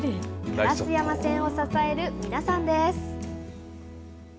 烏山線を支える皆さんです。